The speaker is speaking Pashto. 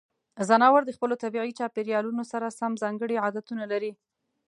ځناور د خپلو طبیعي چاپیریالونو سره سم ځانګړې عادتونه لري.